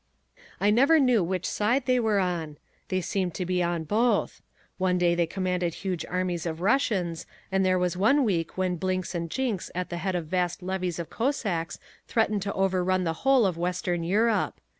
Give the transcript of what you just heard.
I never knew which side they were on. They seemed to be on both. One day they commanded huge armies of Russians, and there was one week when Blinks and Jinks at the head of vast levies of Cossacks threatened to overrun the whole of Western Europe.